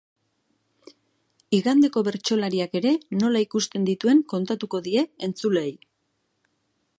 Igandeko bertsolariak ere nola ikusten dituen kontatuko die entzuleei.